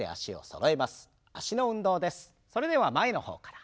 それでは前の方から。